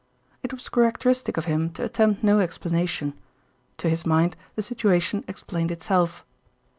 It was characteristic of him to attempt no explanation. To his mind the situation explained itself.